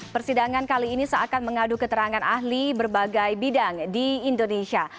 persidangan kali ini seakan mengadu keterangan ahli berbagai bidang di indonesia